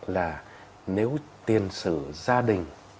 là nếu tiền sử gia đình